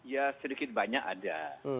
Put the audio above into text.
ya sedikit banyak ada